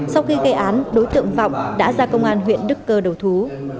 sau khi gây án đối tượng vọng đã ra công an huyện đức cơ đầu thú